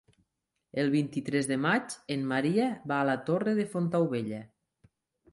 El vint-i-tres de maig en Maria va a la Torre de Fontaubella.